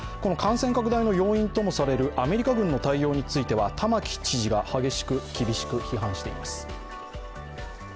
感染拡大の要因ともされるアメリカ軍の対応については玉城知事が激しく、厳しく批判しています。